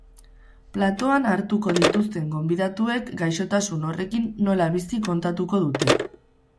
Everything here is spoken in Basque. Platoan hartuko dituzten gonbidatuek gaixotasun horrekin nola bizi kontatuko dute.